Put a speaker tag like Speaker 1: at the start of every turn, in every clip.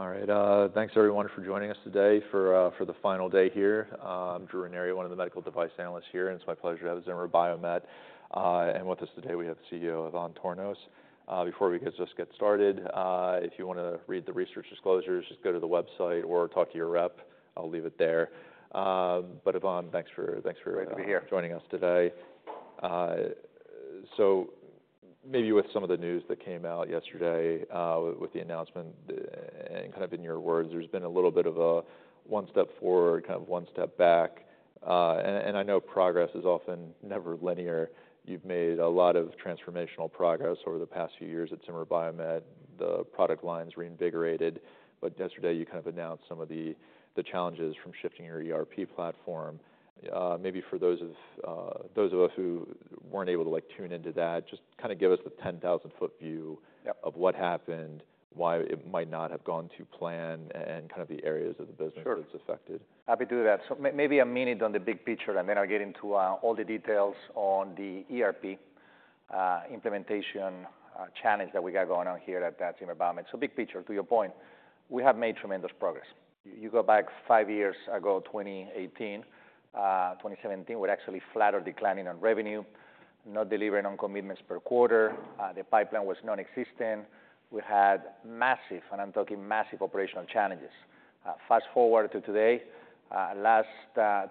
Speaker 1: All right, thanks everyone for joining us today for the final day here. I'm Drew Ranieri, one of the medical device analysts here, and it's my pleasure to have Zimmer Biomet. And with us today, we have the CEO, Ivan Tornos. Before we get started, if you wanna read the research disclosures, just go to the website or talk to your rep. I'll leave it there. But Ivan, thanks for-
Speaker 2: Great to be here.
Speaker 1: Joining us today. So maybe with some of the news that came out yesterday, with the announcement, and kind of in your words, there's been a little bit of a one step forward, kind of one step back. And I know progress is often never linear. You've made a lot of transformational progress over the past few years at Zimmer Biomet, the product line's reinvigorated, but yesterday, you kind of announced some of the challenges from shifting your ERP platform. Maybe for those of us who weren't able to, like, tune into that, just kind of give us the ten thousand foot view.
Speaker 2: Yeah
Speaker 1: of what happened, why it might not have gone to plan, and kind of the areas of the business-
Speaker 2: Sure
Speaker 1: It's affected.
Speaker 2: Happy to do that. So maybe a minute on the big picture, and then I'll get into all the details on the ERP implementation challenge that we got going on here at Zimmer Biomet. So big picture, to your point, we have made tremendous progress. You go back five years ago, 2018, 2017, we're actually flat or declining on revenue, not delivering on commitments per quarter, the pipeline was nonexistent. We had massive, and I'm talking massive, operational challenges. Fast-forward to today, last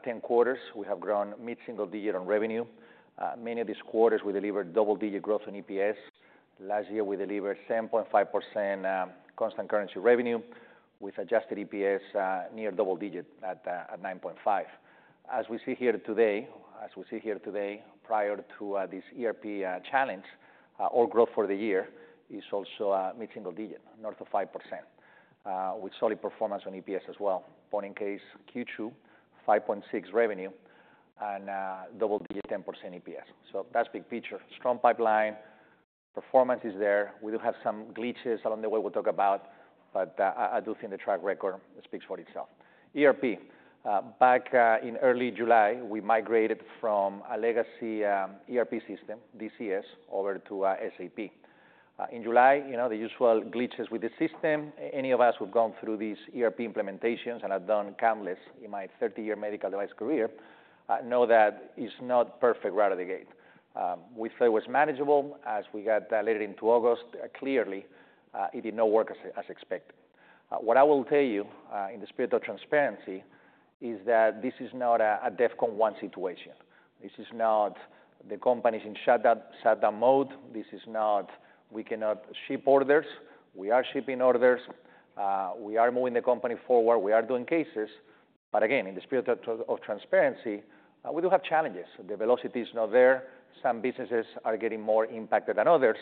Speaker 2: 10 quarters, we have grown mid-single digit on revenue. Many of these quarters, we delivered double-digit growth on EPS. Last year, we delivered 7.5% constant currency revenue, with adjusted EPS near double-digit at 9.5. As we see here today, prior to this ERP challenge, our growth for the year is also mid-single digit, north of 5%, with solid performance on EPS as well. Case in point, Q2, 5.6% revenue and double digit, 10% EPS. So that's big picture. Strong pipeline, performance is there. We do have some glitches along the way we'll talk about, but I do think the track record speaks for itself. ERP. Back in early July, we migrated from a legacy ERP system, BPCS, over to SAP. In July, you know, the usual glitches with the system. Any of us who've gone through these ERP implementations, and I've done countless in my 30-year medical device career, know that it's not perfect right out of the gate. We felt it was manageable. As we got later into August, clearly, it did not work as expected. What I will tell you, in the spirit of transparency, is that this is not a DEFCON One situation. This is not the company is in shutdown mode. This is not we cannot ship orders. We are shipping orders, we are moving the company forward, we are doing cases, but again, in the spirit of transparency, we do have challenges. The velocity is not there. Some businesses are getting more impacted than others,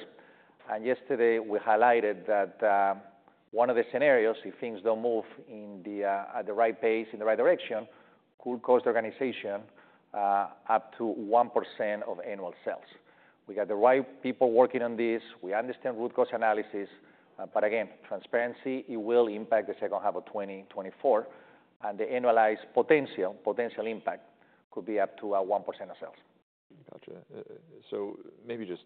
Speaker 2: and yesterday, we highlighted that one of the scenarios, if things don't move at the right pace, in the right direction, could cost the organization up to 1% of annual sales. We got the right people working on this. We understand root cause analysis, but again, transparency. It will impact the second half of 2024, and the annualized potential impact could be up to 1% of sales.
Speaker 1: Gotcha. So maybe just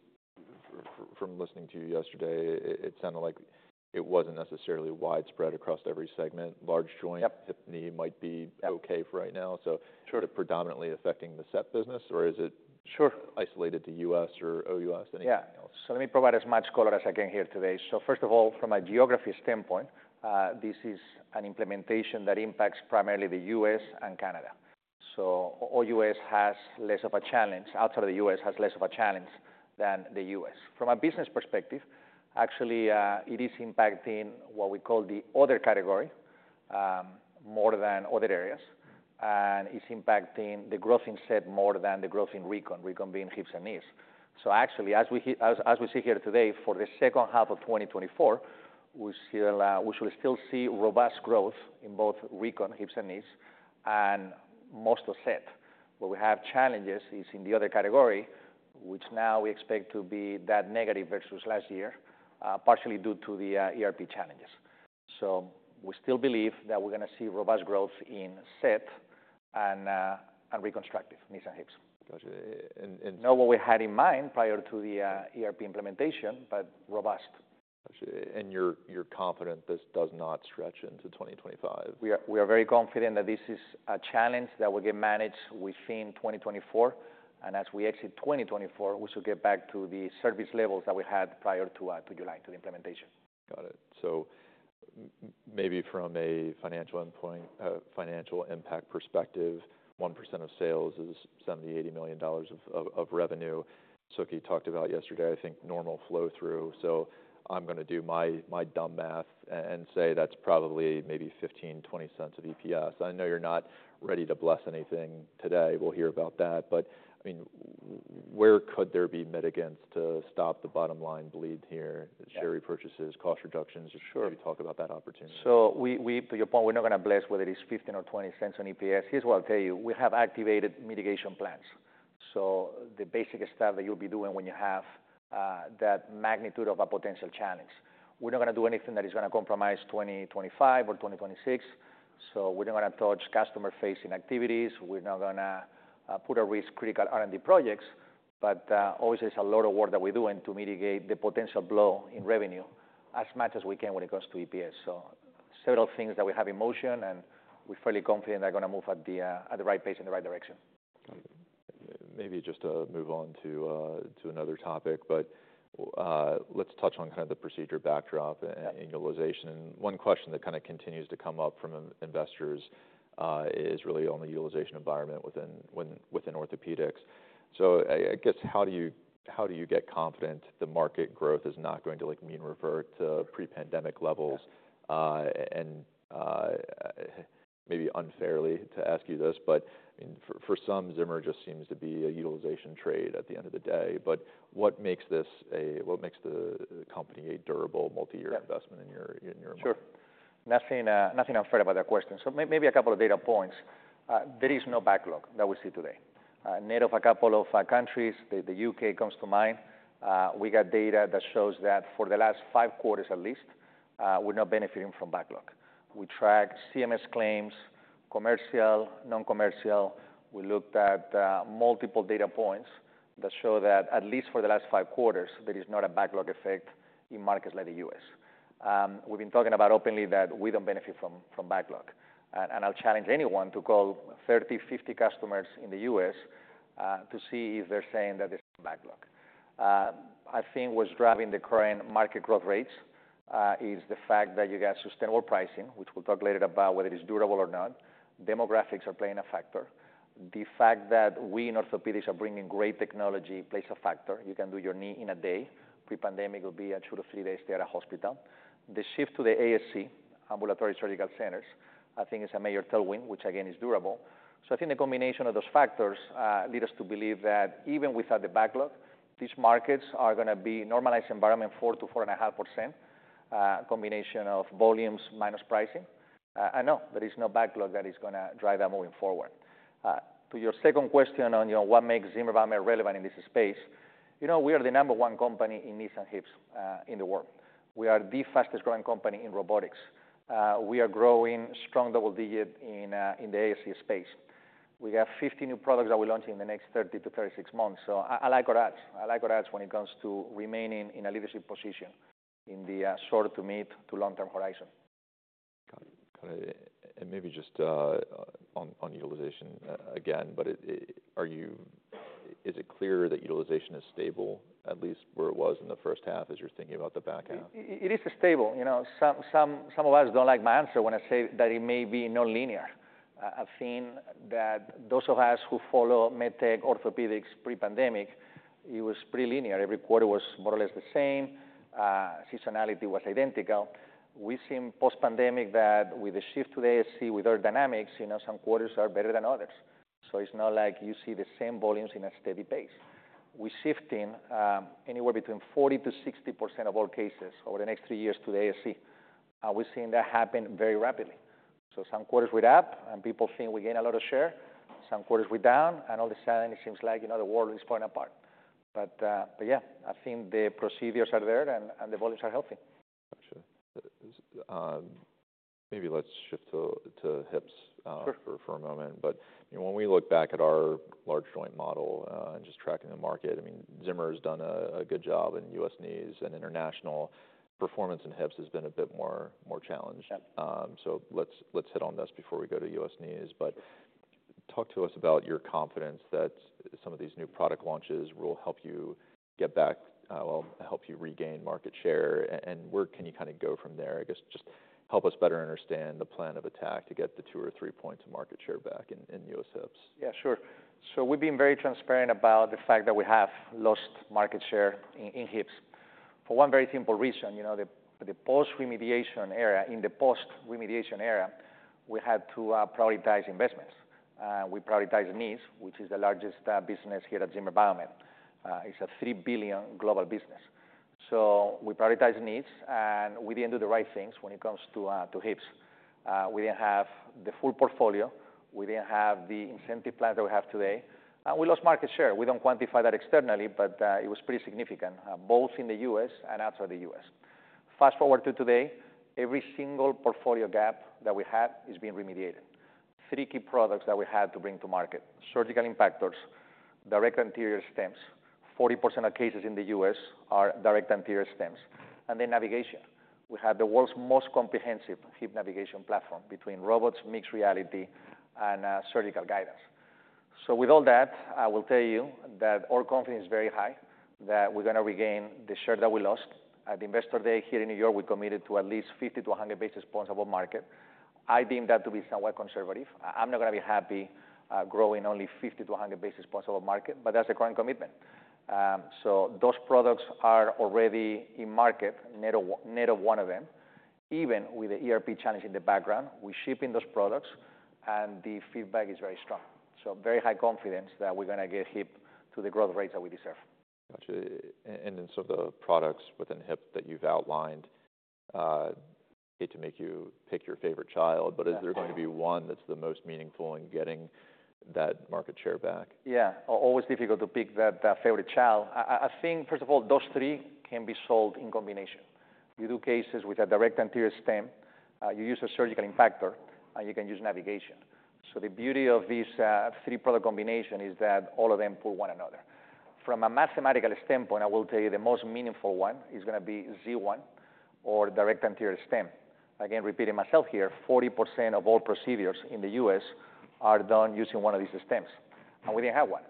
Speaker 1: from listening to you yesterday, it sounded like it wasn't necessarily widespread across every segment. Large joint-
Speaker 2: Yep...
Speaker 1: hip, knee, might be-
Speaker 2: Yep
Speaker 1: Okay for right now. So-
Speaker 2: Sure.
Speaker 1: predominantly affecting the set business, or is it?
Speaker 2: Sure
Speaker 1: Isolated to US or OUS, anything else?
Speaker 2: Yeah. So let me provide as much color as I can here today. So first of all, from a geography standpoint, this is an implementation that impacts primarily the U.S. and Canada. So OUS has less of a challenge, outside of the U.S. has less of a challenge than the U.S. From a business perspective, actually, it is impacting what we call the other category more than other areas, and it's impacting the growth in SET more than the growth in Recon, Recon being hips and knees. So actually, as we see here today, for the second half of 2024, we still should still see robust growth in both Recon, hips and knees, and most of SET. Where we have challenges is in the other category, which now we expect to be that negative versus last year, partially due to the ERP challenges. So we still believe that we're gonna see robust growth in SET and Reconstructive knees and hips.
Speaker 1: Gotcha.
Speaker 2: Not what we had in mind prior to the ERP implementation, but robust.
Speaker 1: Gotcha. And you're, you're confident this does not stretch into twenty twenty-five?
Speaker 2: We are very confident that this is a challenge that will get managed within 2024, and as we exit 2024, we should get back to the service levels that we had prior to July to the implementation.
Speaker 1: Got it. So maybe from a financial impact perspective, 1% of sales is $70-$80 million of revenue. Suki talked about yesterday, I think, normal flow-through, so I'm gonna do my dumb math and say that's probably maybe $0.15-$0.20 of EPS. I know you're not ready to bless anything today. We'll hear about that. But, I mean, where could there be mitigants to stop the bottom line bleed here?
Speaker 2: Yeah.
Speaker 1: The share repurchases, cost reductions-
Speaker 2: Sure.
Speaker 1: Maybe talk about that opportunity.
Speaker 2: To your point, we're not gonna bless whether it's $0.15 or $0.20 on EPS. Here's what I'll tell you: We have activated mitigation plans, so the basic stuff that you'll be doing when you have that magnitude of a potential challenge. We're not gonna do anything that is gonna compromise 2025 or 2026, so we're not gonna touch customer-facing activities, we're not gonna put at risk critical R&D projects, but obviously, there's a lot of work that we're doing to mitigate the potential blow in revenue as much as we can when it comes to EPS. So several things that we have in motion, and we're fairly confident they're gonna move at the right pace, in the right direction.
Speaker 1: Maybe just to move on to another topic, but let's touch on kind of the procedure backdrop and utilization. One question that kind of continues to come up from investors is really on the utilization environment within orthopedics. So I guess, how do you get confident the market growth is not going to, like, mean revert to pre-pandemic levels? And maybe unfairly to ask you this, but I mean, for some, Zimmer just seems to be a utilization trade at the end of the day, but what makes the company a durable multi-year-
Speaker 2: Yeah
Speaker 1: -investment in your mind?
Speaker 2: Sure. Nothing, nothing unfair about that question, so maybe a couple of data points. There is no backlog that we see today. Net of a couple of countries, the U.K. comes to mind, we got data that shows that for the last five quarters at least, we're not benefiting from backlog. We tracked CMS claims, commercial, non-commercial, we looked at multiple data points that show that at least for the last five quarters, there is not a backlog effect in markets like the U.S. We've been talking about openly that we don't benefit from backlog, and I'll challenge anyone to call 30, 50 customers in the U.S. to see if they're saying that there's a backlog. I think what's driving the current market growth rates is the fact that you got sustainable pricing, which we'll talk later about whether it is durable or not. Demographics are playing a factor. The fact that we in orthopedics are bringing great technology plays a factor. You can do your knee in a day. Pre-pandemic, it would be a two- to three-day stay at a hospital. The shift to the ASC, ambulatory surgical centers, I think is a major tailwind, which again, is durable. So I think a combination of those factors lead us to believe that even without the backlog, these markets are gonna be normalized environment, 4%-4.5% combination of volumes minus pricing. And no, there is no backlog that is gonna drive that moving forward. To your second question on, you know, what makes Zimmer Biomet relevant in this space? You know, we are the number one company in knees and hips in the world. We are the fastest-growing company in robotics. We are growing strong double-digit in the ASC space. We have 50 new products that we're launching in the next 30-36 months, so I like our odds. I like our odds when it comes to remaining in a leadership position in the short- to mid- to long-term horizon.
Speaker 1: Got it. Got it. And maybe just on utilization again. Is it clear that utilization is stable, at least where it was in the first half, as you're thinking about the back half?
Speaker 2: It is stable. You know, some of us don't like my answer when I say that it may be nonlinear. I've seen that those of us who follow med tech, orthopedics pre-pandemic, it was pretty linear. Every quarter was more or less the same, seasonality was identical. We've seen post-pandemic that with the shift to the ASC, with our dynamics, you know, some quarters are better than others. So it's not like you see the same volumes in a steady pace. We're shifting anywhere between 40%-60% of all cases over the next three years to the ASC, and we've seen that happen very rapidly. So some quarters we're up, and people think we gain a lot of share. Some quarters we're down, and all of a sudden, it seems like, you know, the world is falling apart. But yeah, I think the procedures are there and the volumes are healthy.
Speaker 1: Got you. Maybe let's shift to hips-
Speaker 2: Sure...
Speaker 1: for a moment. But you know, when we look back at our large joint model and just tracking the market, I mean, Zimmer has done a good job in U.S. knees and international. Performance in hips has been a bit more challenged.
Speaker 2: Yeah.
Speaker 1: So let's hit on this before we go to U.S. knees. But talk to us about your confidence that some of these new product launches will help you get back, help you regain market share, and where can you kind of go from there? I guess just help us better understand the plan of attack to get the two or three points of market share back in U.S. hips.
Speaker 2: Yeah, sure. So we've been very transparent about the fact that we have lost market share in hips for one very simple reason, you know, the post-remediation era. In the post-remediation era, we had to prioritize investments. We prioritized knees, which is the largest business here at Zimmer Biomet. It's a $3 billion global business. So we prioritize knees, and we didn't do the right things when it comes to hips. We didn't have the full portfolio, we didn't have the incentive plan that we have today, and we lost market share. We don't quantify that externally, but it was pretty significant, both in the U.S. and outside the U.S. Fast-forward to today, every single portfolio gap that we had is being remediated. Three key products that we had to bring to market: surgical impactors, direct anterior stems. 40% of cases in the U.S. are direct anterior stems. And then navigation. We have the world's most comprehensive hip navigation platform between robots, mixed reality, and surgical guidance. So with all that, I will tell you that our confidence is very high, that we're gonna regain the share that we lost. At the Investor Day here in New York, we committed to at least 50-100 basis points of our market. I deem that to be somewhat conservative. I'm not gonna be happy growing only 50-100 basis points of the market, but that's the current commitment. So those products are already in market, net of one of them. Even with the ERP challenge in the background, we're shipping those products, and the feedback is very strong. Very high confidence that we're gonna get hip to the growth rates that we deserve.
Speaker 1: Got you. And then, so the products within hip that you've outlined, I hate to make you pick your favorite child-
Speaker 2: Yeah...
Speaker 1: but is there going to be one that's the most meaningful in getting that market share back?
Speaker 2: Yeah. Always difficult to pick that favorite child. I think, first of all, those three can be sold in combination. You do cases with a direct anterior stem, you use a surgical impactor, and you can use navigation. The beauty of these three product combination is that all of them pull one another. From a mathematical standpoint, I will tell you, the most meaningful one is gonna be Z1 or direct anterior stem. Again, repeating myself here, 40% of all procedures in the U.S. are done using one of these stems, and we didn't have one,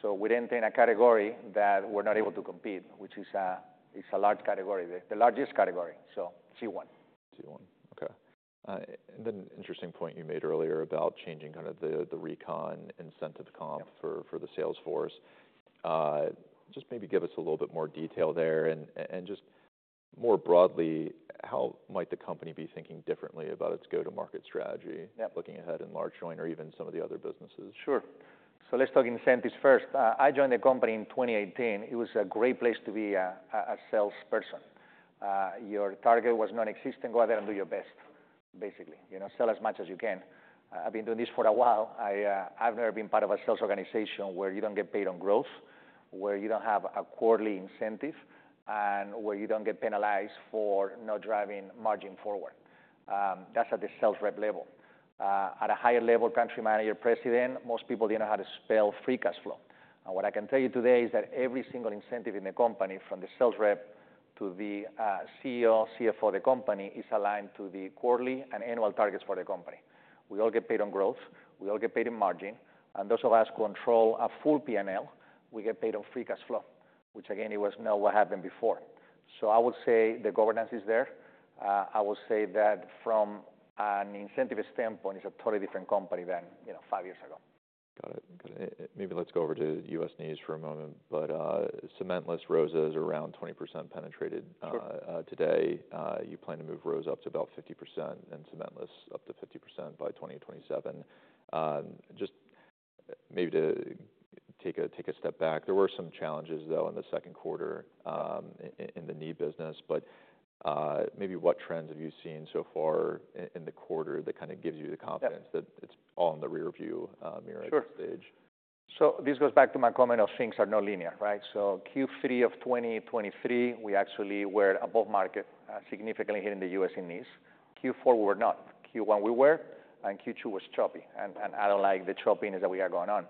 Speaker 2: so we didn't enter in a category that we're not able to compete, which is a large category, the largest category, so Z1.
Speaker 1: Z1, okay. And then interesting point you made earlier about changing kind of the recon incentive comp-
Speaker 2: Yeah
Speaker 1: for the sales force. Just maybe give us a little bit more detail there, and just more broadly, how might the company be thinking differently about its go-to-market strategy?
Speaker 2: Yeah
Speaker 1: Looking ahead in large joint or even some of the other businesses?
Speaker 2: Sure. So let's talk incentives first. I joined the company in 2018. It was a great place to be a salesperson. Your target was non-existent. Go out there and do your best, basically. You know, sell as much as you can. I've been doing this for a while. I've never been part of a sales organization where you don't get paid on growth, where you don't have a quarterly incentive, and where you don't get penalized for not driving margin forward. That's at the sales rep level. At a higher level, country manager, president, most people didn't know how to spell free cash flow. What I can tell you today is that every single incentive in the company, from the sales rep to the CEO, CFO of the company, is aligned to the quarterly and annual targets for the company. We all get paid on growth, we all get paid in margin, and those of us who control a full PNL, we get paid on free cash flow, which again, it was not what happened before. I would say the governance is there. I would say that from an incentive standpoint, it's a totally different company than, you know, five years ago.
Speaker 1: Got it. Got it. Maybe let's go over to U.S. knees for a moment, but cementless ROSA is around 20% penetrated-
Speaker 2: Sure...
Speaker 1: today. You plan to move ROSA up to about 50% and cementless up to 50% by 2027. Just maybe to take a step back, there were some challenges, though, in the second quarter, in the knee business, but, maybe what trends have you seen so far in the quarter that kind of gives you the confidence-
Speaker 2: Yeah
Speaker 1: that it's all in the rear view mirror at this stage?
Speaker 2: Sure. So this goes back to my comment of things are not linear, right? So Q3 of 2023, we actually were above market significantly here in the U.S. in knees. Q4, we were not. Q1, we were, and Q2 was choppy, and I don't like the choppiness that we are going on.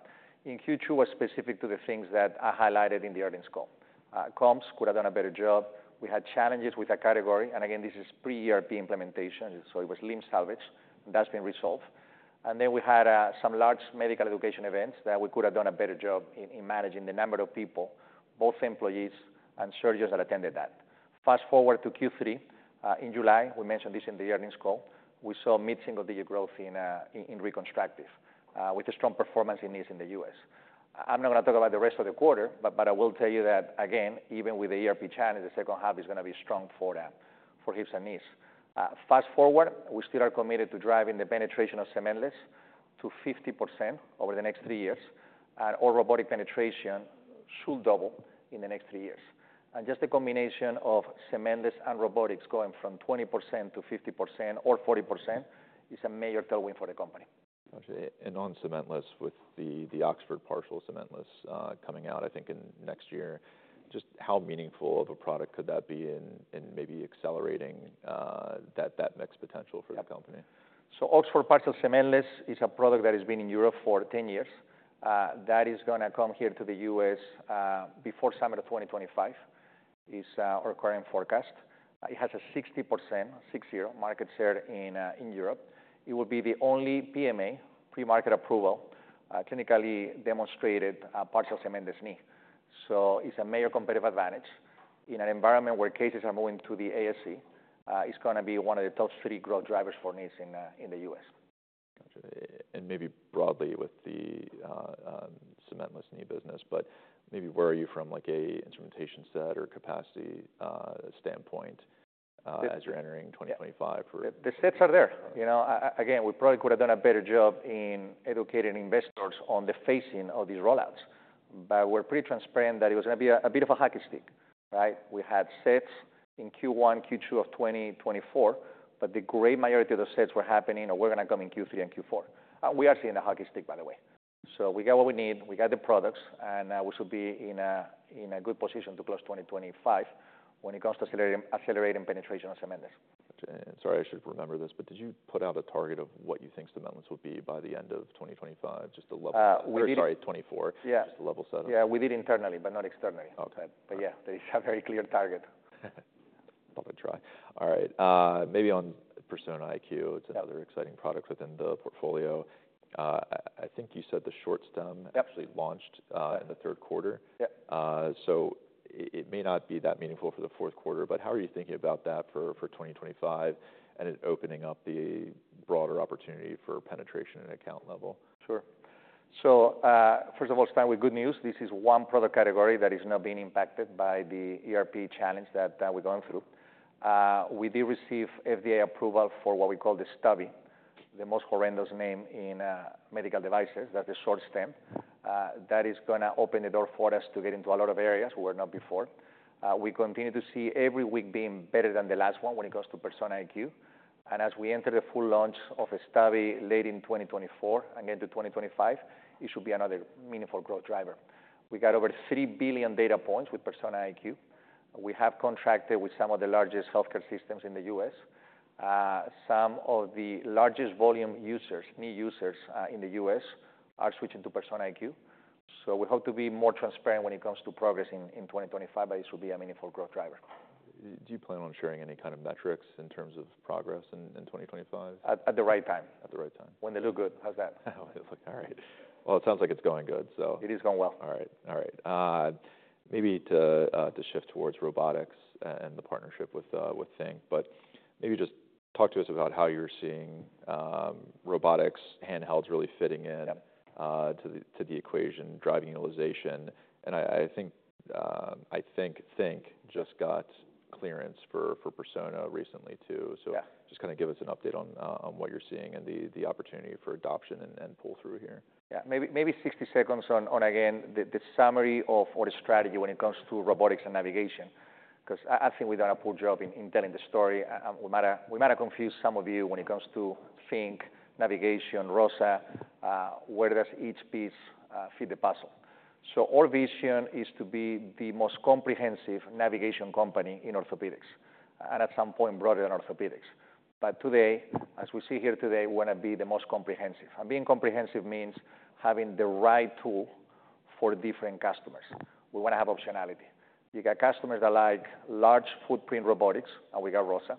Speaker 2: In Q2 was specific to the things that I highlighted in the earnings call. Ops could have done a better job. We had challenges with that category, and again, this is pre-ERP implementation, so it was limb salvage. That's been resolved. And then we had some large medical education events that we could have done a better job in managing the number of people, both employees and surgeons that attended that. Fast-forward to Q3 in July, we mentioned this in the earnings call, we saw mid-single-digit growth in Reconstructive with a strong performance in knees in the U.S. I'm not gonna talk about the rest of the quarter, but I will tell you that again, even with the ERP challenge, the second half is gonna be strong for that, for hips and knees. Fast-forward, we still are committed to driving the penetration of cementless to 50% over the next three years, and all robotic penetration should double in the next three years. Just the combination of cementless and robotics going from 20%-50% or 40% is a major tailwind for the company.
Speaker 1: Gotcha. And on cementless, with the Oxford Partial Cementless coming out, I think in next year, just how meaningful of a product could that be in maybe accelerating that next potential for the company?
Speaker 2: Oxford Partial Cementless is a product that has been in Europe for ten years. That is gonna come here to the US before summer of 2025, is our current forecast. It has a 60% six-year market share in Europe. It will be the only PMA, pre-market approval, clinically demonstrated partial cementless knee. So it's a major competitive advantage. In an environment where cases are moving to the ASC, it's gonna be one of the top three growth drivers for knees in the US.
Speaker 1: Gotcha. And maybe broadly with the cementless knee business, but maybe where are you from, like, a instrumentation set or capacity standpoint, as you're entering 2025 for-
Speaker 2: The sets are there. You know, again, we probably could have done a better job in educating investors on the phasing of these rollouts, but we're pretty transparent that it was gonna be a bit of a hockey stick, right? We had sets in Q1, Q2 of twenty twenty-four, but the great majority of the sets were happening or were gonna come in Q3 and Q4. We are seeing a hockey stick, by the way. So we got what we need, we got the products, and we should be in a good position to close twenty twenty-five when it comes to accelerating penetration of cementless.
Speaker 1: Sorry, I should remember this, but did you put out a target of what you think cementless would be by the end of 2025? Just the level-
Speaker 2: We did-
Speaker 1: Or, sorry, 24.
Speaker 2: Yeah.
Speaker 1: Just to level set up.
Speaker 2: Yeah, we did internally, but not externally.
Speaker 1: Okay.
Speaker 2: But yeah, there is a very clear target.
Speaker 1: But I try. All right, maybe on Persona IQ-
Speaker 2: Yeah...
Speaker 1: it's another exciting product within the portfolio. I think you said the short stem-
Speaker 2: Yep
Speaker 1: Actually launched in the third quarter.
Speaker 2: Yeah.
Speaker 1: So, it may not be that meaningful for the fourth quarter, but how are you thinking about that for twenty twenty-five, and it opening up the broader opportunity for penetration and account level?
Speaker 2: Sure. So, first of all, start with good news. This is one product category that is not being impacted by the ERP challenge that we're going through. We did receive FDA approval for what we call the Stubby, the most horrendous name in medical devices, that's the short stem. That is gonna open the door for us to get into a lot of areas we were not before. We continue to see every week being better than the last one when it comes to Persona IQ. And as we enter the full launch of Stubby late in 2024 and into 2025, it should be another meaningful growth driver. We got over three billion data points with Persona IQ. We have contracted with some of the largest healthcare systems in the U.S. Some of the largest volume users, knee users, in the U.S. are switching to Persona IQ. So we hope to be more transparent when it comes to progress in 2025, but this will be a meaningful growth driver.
Speaker 1: Do you plan on sharing any kind of metrics in terms of progress in 2025?
Speaker 2: At the right time.
Speaker 1: At the right time.
Speaker 2: When they look good. How's that?
Speaker 1: All right. It sounds like it's going good, so-
Speaker 2: It is going well.
Speaker 1: All right. All right, maybe to shift towards robotics and the partnership with Think, but maybe just talk to us about how you're seeing robotics, handhelds really fitting in?
Speaker 2: Yep...
Speaker 1: to the equation, driving utilization. And I think Think just got clearance for Persona recently, too.
Speaker 2: Yeah.
Speaker 1: So just kind of give us an update on what you're seeing and the opportunity for adoption and pull through here.
Speaker 2: Yeah. Maybe 60 seconds on again the summary of our strategy when it comes to robotics and navigation, 'cause I think we've done a poor job in telling the story, and we might have confused some of you when it comes to Think, navigation, Rosa, where does each piece fit the puzzle? So our vision is to be the most comprehensive navigation company in orthopedics, and at some point, broader than orthopedics. But today, as we see here today, we wanna be the most comprehensive. And being comprehensive means having the right tool for different customers. We wanna have optionality. You got customers that like large footprint robotics, and we got Rosa.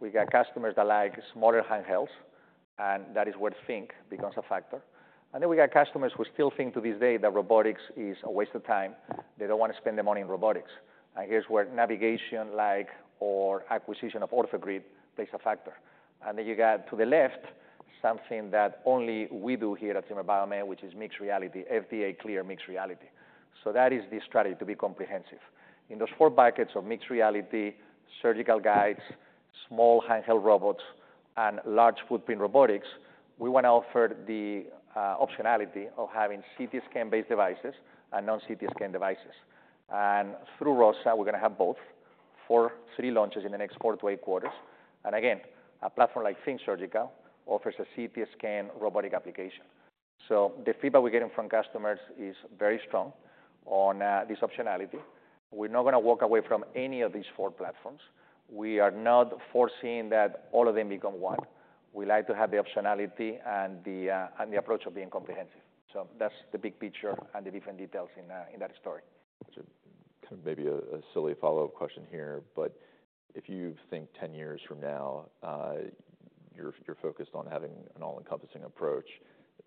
Speaker 2: We got customers that like smaller handhelds, and that is where Think becomes a factor. And then we got customers who still think to this day that robotics is a waste of time. They don't want to spend the money in robotics, and here's where navigation like or acquisition of OrthoGrid plays a factor. And then you got to the left, something that only we do here at Zimmer Biomet, which is mixed reality, FDA-cleared mixed reality. So that is the strategy, to be comprehensive. In those four buckets of mixed reality, surgical guides, small handheld robots, and large footprint robotics, we wanna offer the optionality of having CT scan-based devices and non-CT scan devices. And through Rosa, we're gonna have both, four city launches in the next quarter to eight quarters. And again, a platform like Think Surgical offers a CT scan robotic application. So the feedback we're getting from customers is very strong on this optionality. We're not gonna walk away from any of these four platforms. We are not foreseeing that all of them become one. We like to have the optionality and the, and the approach of being comprehensive. So that's the big picture and the different details in, in that story.
Speaker 1: So kind of maybe a silly follow-up question here, but if you think ten years from now, you're focused on having an all-encompassing approach.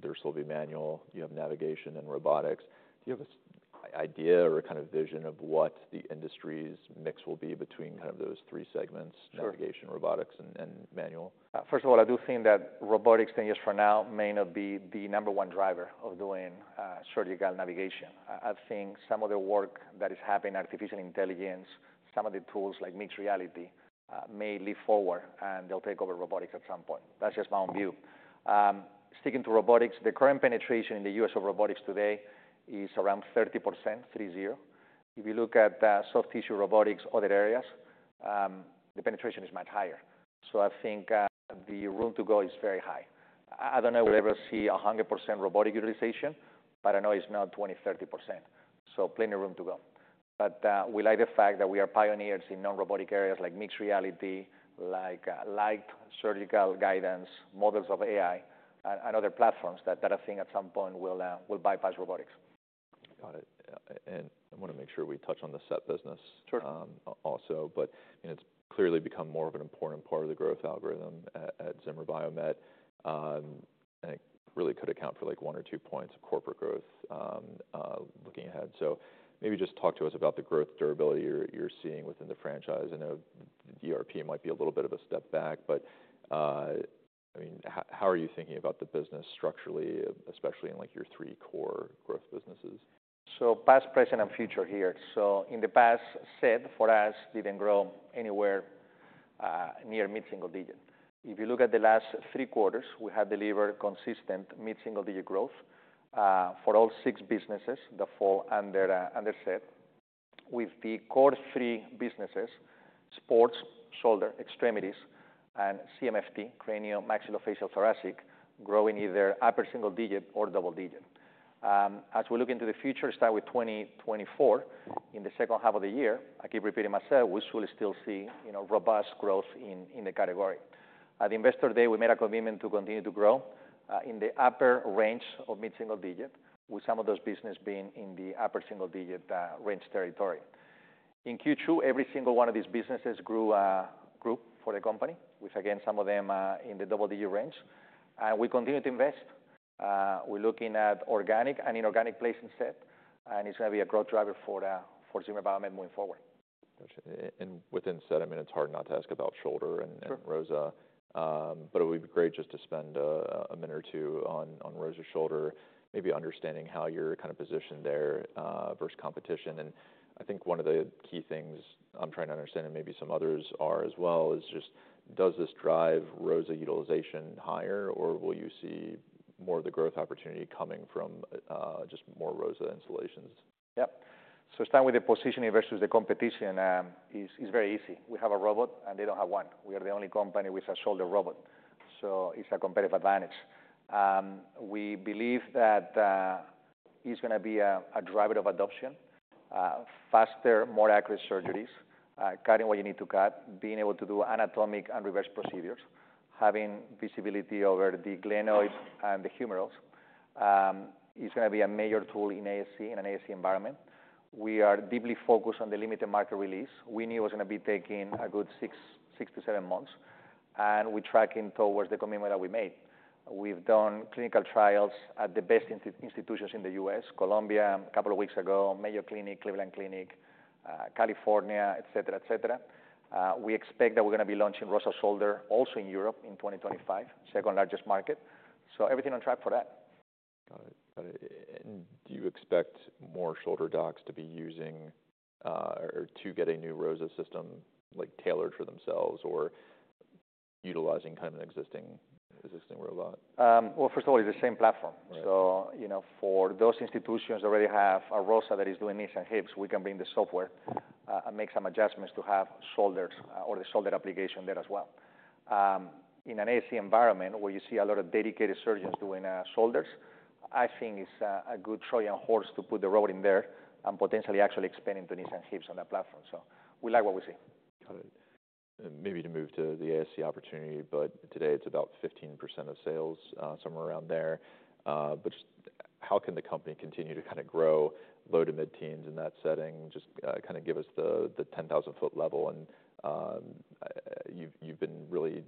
Speaker 1: There will still be manual. You have navigation and robotics. Do you have some idea or kind of vision of what the industry's mix will be between kind of those three segments?
Speaker 2: Sure...
Speaker 1: navigation, robotics, and manual?
Speaker 2: First of all, I do think that robotics, ten years from now, may not be the number one driver of doing surgical navigation. I think some of the work that is happening, artificial intelligence, some of the tools like mixed reality may leap forward, and they'll take over robotics at some point. That's just my own view. Sticking to robotics, the current penetration in the U.S. of robotics today is around 30%, three zero. If you look at soft tissue robotics, other areas, the penetration is much higher. So I think the room to go is very high. I don't know if we'll ever see 100% robotic utilization, but I know it's not 20%, 30%, so plenty of room to go. But, we like the fact that we are pioneers in non-robotic areas like mixed reality, like, light surgical guidance, models of AI, and other platforms that I think at some point will bypass robotics.
Speaker 1: Got it. And I wanna make sure we touch on the SET business.
Speaker 2: Sure...
Speaker 1: and it's clearly become more of an important part of the growth algorithm at Zimmer Biomet. And it really could account for, like, one or two points of corporate growth, looking ahead. So maybe just talk to us about the growth durability you're seeing within the franchise. I know the ERP might be a little bit of a step back, but, I mean, how are you thinking about the business structurally, especially in, like, your three core growth businesses?
Speaker 2: Past, present, and future here. In the past, SET, for us, didn't grow anywhere near mid-single-digit. If you look at the last three quarters, we have delivered consistent mid-single-digit growth for all six businesses, the four under SET, with the core three businesses: sports, shoulder, extremities, and CMFT, craniomaxillofacial thoracic, growing either upper single-digit or double-digit. As we look into the future, start with 2024, in the second half of the year, I keep repeating myself, we surely still see, you know, robust growth in the category. At Investor Day, we made a commitment to continue to grow in the upper range of mid-single-digit, with some of those business being in the upper single-digit range territory. In Q2, every single one of these businesses grew for the company, which again, some of them are in the double-digit range. And we continue to invest. We're looking at organic and inorganic placement SET, and it's gonna be a growth driver for Zimmer Biomet moving forward.
Speaker 1: Within SET, I mean, it's hard not to ask about shoulder and-
Speaker 2: Sure...
Speaker 1: ROSA. But it would be great just to spend a minute or two on ROSA Shoulder, maybe understanding how you're kind of positioned there versus competition, and I think one of the key things I'm trying to understand, and maybe some others are as well, is just does this drive ROSA utilization higher, or will you see more of the growth opportunity coming from just more ROSA installations?
Speaker 2: Yep. So start with the positioning versus the competition, is very easy. We have a robot, and they don't have one. We are the only company with a shoulder robot, so it's a competitive advantage. We believe that is going to be a driver of adoption, faster, more accurate surgeries, cutting what you need to cut, being able to do anatomic and reverse procedures. Having visibility over the glenoids and the humerals, is going to be a major tool in ASC, in an ASC environment. We are deeply focused on the limited market release. We knew it was going to be taking a good six to seven months, and we're tracking towards the commitment that we made. We've done clinical trials at the best institutions in the U.S., Columbia, a couple of weeks ago, Mayo Clinic, Cleveland Clinic, California, et cetera, et cetera. We expect that we're going to be launching ROSA Shoulder also in Europe in 2025, second largest market. Everything on track for that.
Speaker 1: Got it. Got it. And do you expect more shoulder docs to be using, or to get a new ROSA system, like, tailored for themselves or utilizing kind of an existing robot?
Speaker 2: Well, first of all, it's the same platform.
Speaker 1: Right.
Speaker 2: You know, for those institutions that already have a ROSA that is doing knees and hips, we can bring the software and make some adjustments to have shoulders or the shoulder application there as well. In an ASC environment, where you see a lot of dedicated surgeons doing shoulders, I think it's a good Trojan horse to put the robot in there and potentially actually expanding to knees and hips on that platform. So we like what we see.
Speaker 1: Got it. Maybe to move to the ASC opportunity, but today it's about 15% of sales, somewhere around there, but how can the company continue to kind of grow low to mid-teens in that setting? Just kind of give us the 10,000-foot level and you've been really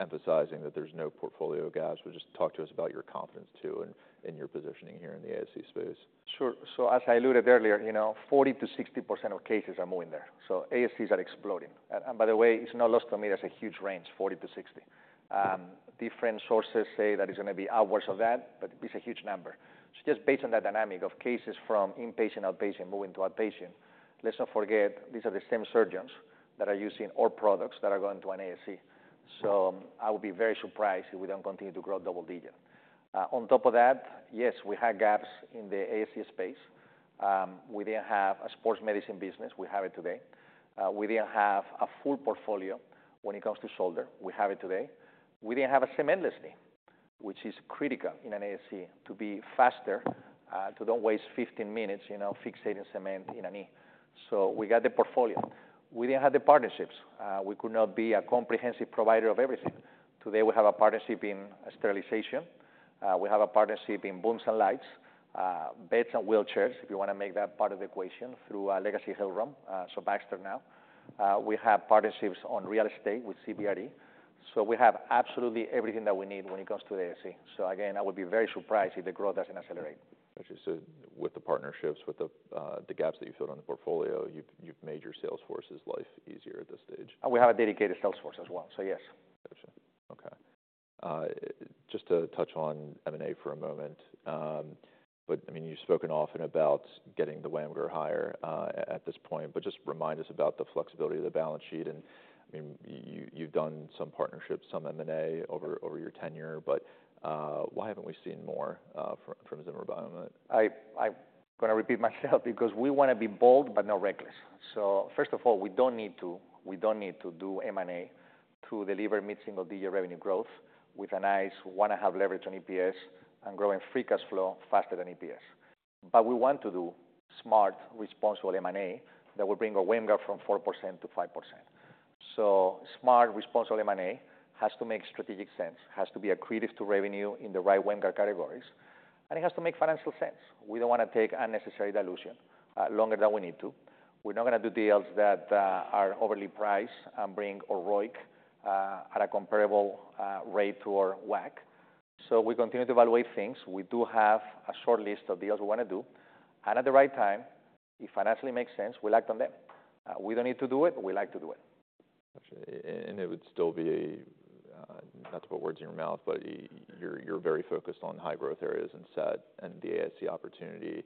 Speaker 1: emphasizing that there's no portfolio gaps, but just talk to us about your confidence, too, in your positioning here in the ASC space.
Speaker 2: Sure. So as I alluded earlier, you know, 40%-60% of cases are moving there, so ASCs are exploding, and by the way, it's no loss to me, that's a huge range, 40%-60%. Different sources say that it's going to be upwards of that, but it's a huge number. So just based on that dynamic of cases from inpatient, outpatient, moving to outpatient, let's not forget, these are the same surgeons that are using our products that are going to an ASC. So I would be very surprised if we don't continue to grow double digits. On top of that, yes, we had gaps in the ASC space. We didn't have a sports medicine business. We have it today. We didn't have a full portfolio when it comes to shoulder. We have it today. We didn't have a cementless knee, which is critical in an ASC to be faster, to don't waste 15 minutes, you know, fixating cement in a knee. So we got the portfolio. We didn't have the partnerships. We could not be a comprehensive provider of everything. Today, we have a partnership in sterilization. We have a partnership in booms and lights, beds and wheelchairs, if you want to make that part of the equation, through our legacy, Hill-Rom, so Baxter now. We have partnerships on real estate with CBRE. So we have absolutely everything that we need when it comes to the ASC. So again, I would be very surprised if the growth doesn't accelerate.
Speaker 1: Got you. So with the partnerships, with the gaps that you filled on the portfolio, you've made your sales force's life easier at this stage?
Speaker 2: We have a dedicated sales force as well, so yes.
Speaker 1: Gotcha. Okay. Just to touch on M&A for a moment. But, I mean, you've spoken often about getting the WAMR higher at this point, but just remind us about the flexibility of the balance sheet. And, I mean, you've done some partnerships, some M&A over your tenure, but why haven't we seen more from Zimmer Biomet?
Speaker 2: I'm gonna repeat myself because we want to be bold, but not reckless. So first of all, we don't need to do M&A to deliver mid-single-digit revenue growth with a nice one and a half leverage on EPS and growing free cash flow faster than EPS. But we want to do smart, responsible M&A that will bring our WAMR from 4%-5%. So smart, responsible M&A has to make strategic sense, has to be accretive to revenue in the right WAMR categories, and it has to make financial sense. We don't want to take unnecessary dilution longer than we need to. We're not going to do deals that are overly priced and bring our ROIC at a comparable rate to our WACC. So we continue to evaluate things. We do have a short list of deals we want to do, and at the right time, if financially makes sense, we'll act on them. We don't need to do it. We like to do it.
Speaker 1: Got you. And it would still be a, not to put words in your mouth, but you're, you're very focused on high growth areas and SET and the ASC opportunity.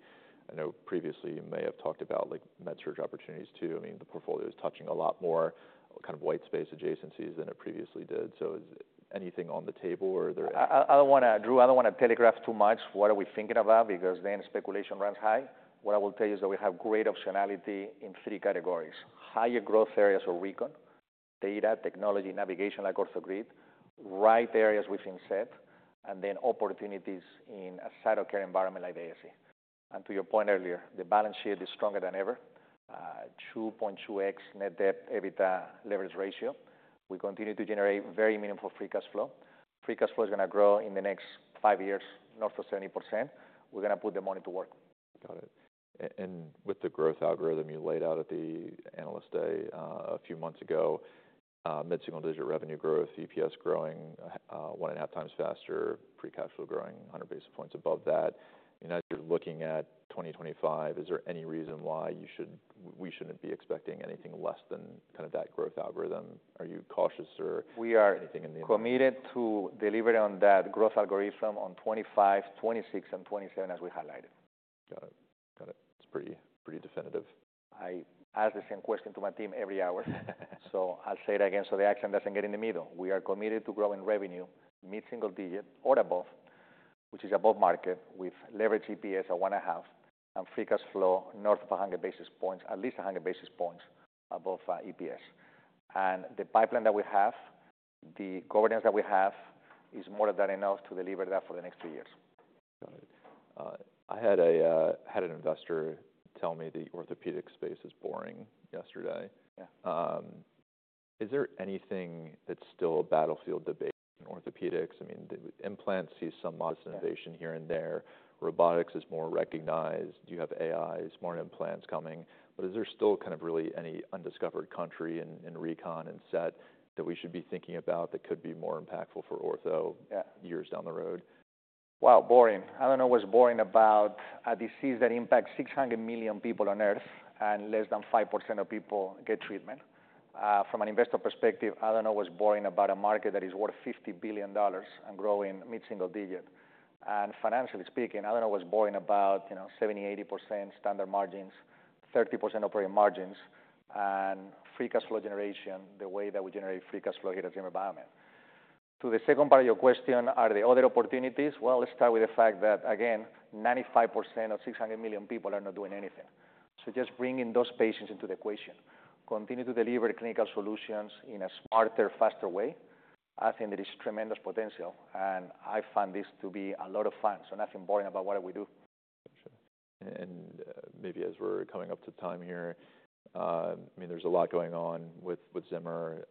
Speaker 1: I know previously you may have talked about, like, med tech opportunities, too. I mean, the portfolio is touching a lot more kind of white space adjacencies than it previously did. So is anything on the table or there-
Speaker 2: I don't wanna, Drew. I don't want to telegraph too much what we are thinking about because then speculation runs high. What I will tell you is that we have great optionality in three categories: higher growth areas in recon, data, technology, navigation, like OrthoGrid, right, areas within SET, and then opportunities in a site of care environment like ASC. To your point earlier, the balance sheet is stronger than ever, 2.2x net debt to EBITDA leverage ratio. We continue to generate very meaningful free cash flow. Free cash flow is going to grow in the next five years, north of 70%. We're going to put the money to work.
Speaker 1: Got it. And with the growth algorithm you laid out at the Analyst Day, a few months ago, mid-single digit revenue growth, EPS growing, one and a half times faster, free cash flow growing a hundred basis points above that, you know, as you're looking at 2025, is there any reason why you should—we shouldn't be expecting anything less than kind of that growth algorithm? Are you cautious or-
Speaker 2: We are-
Speaker 1: Anything in the-
Speaker 2: Committed to delivering on that growth algorithm on 2025, 2026, and 2027, as we highlighted.
Speaker 1: Got it. Got it. It's pretty, pretty definitive.
Speaker 2: I ask the same question to my team every hour. So I'll say it again, so the action doesn't get in the middle. We are committed to growing revenue, mid-single-digit or above, which is above market, with leverage EPS at one and a half, and free cash flow north of 100 basis points, at least 100 basis points above EPS. And the pipeline that we have, the governance that we have is more than enough to deliver that for the next two years.
Speaker 1: Got it. I had an investor tell me the orthopedic space is boring yesterday.
Speaker 2: Yeah.
Speaker 1: Is there anything that's still a battlefield debate in orthopedics? I mean, the implant sees some modest-
Speaker 2: Yeah
Speaker 1: Innovation here and there. Robotics is more recognized. You have AIs, more implants coming, but is there still kind of really any undiscovered country in Recon and SET that we should be thinking about that could be more impactful for ortho-
Speaker 2: Yeah
Speaker 1: years down the road?
Speaker 2: Boring. I don't know what's boring about a disease that impacts 600 million people on Earth, and less than 5% of people get treatment. From an investor perspective, I don't know what's boring about a market that is worth $50 billion and growing mid-single digit. Financially speaking, I don't know what's boring about, you know, 70%-80% standard margins, 30% operating margins, and free cash flow generation, the way that we generate free cash flow here at Zimmer Biomet. To the second part of your question, are there other opportunities? Let's start with the fact that, again, 95% of 600 million people are not doing anything. So, just bringing those patients into the equation, continue to deliver clinical solutions in a smarter, faster way. I think there is tremendous potential, and I find this to be a lot of fun, so nothing boring about what we do.
Speaker 1: Sure. And, maybe as we're coming up to time here, I mean, there's a lot going on with Zimmer.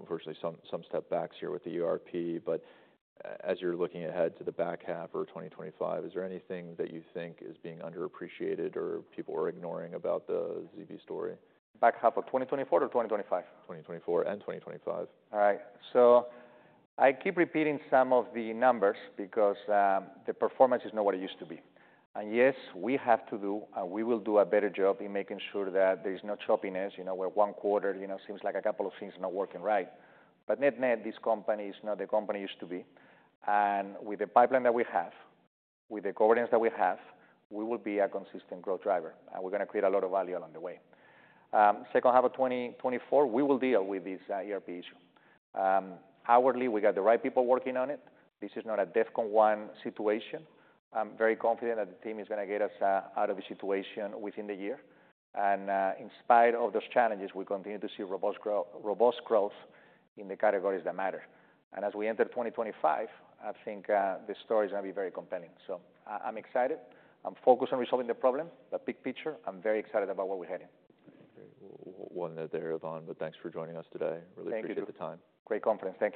Speaker 1: Unfortunately, some setbacks here with the ERP, but as you're looking ahead to the back half or 2025, is there anything that you think is being underappreciated or people are ignoring about the ZB story?
Speaker 2: Back half of 2024 or 2025?
Speaker 1: 2024 and 2025.
Speaker 2: All right. So I keep repeating some of the numbers because the performance is not what it used to be. And yes, we have to do, and we will do a better job in making sure that there is no choppiness, you know, where one quarter, you know, seems like a couple of things are not working right. But net-net, this company is not the company it used to be, and with the pipeline that we have, with the governance that we have, we will be a consistent growth driver, and we're gonna create a lot of value along the way. Second half of twenty twenty-four, we will deal with this ERP issue. Already, we got the right people working on it. This is not a DEFCON 1 situation. I'm very confident that the team is gonna get us out of the situation within the year, and in spite of those challenges, we continue to see robust growth in the categories that matter. As we enter 2025, I think the story is gonna be very compelling. I'm excited. I'm focused on resolving the problem, the big picture. I'm very excited about where we're heading.
Speaker 1: Great. One there, Ivan, but thanks for joining us today.
Speaker 2: Thank you.
Speaker 1: Really appreciate the time.
Speaker 2: Great conference. Thank you.